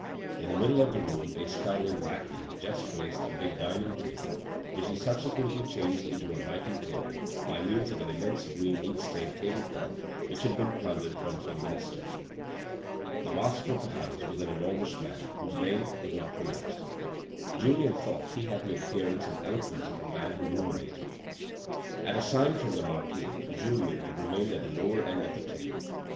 In the middle of the room a scowling lackey had just placed a big dining table which he subsequently changed into a writing table by means of an immense green inkstained tablecloth which had been plundered from some minister. The master of the house was an enormous man whose name was not pronounced. Julien thought he had the appearance and eloquence of a man who ruminated. At a sign from the marquis, Julien had remained at the lower end of the table.